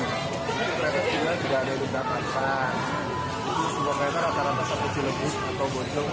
semua kereta rata rata seperti cilebur atau bogor kembali ke lagi